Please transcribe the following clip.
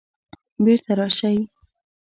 بیرته راشئ